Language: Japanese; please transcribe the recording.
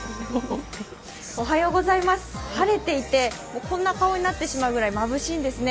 晴れていて、こんな顔になってしまうぐらいまぶしいんですね。